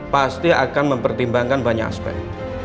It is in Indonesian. pasti akan mempertimbangkan banyak aspek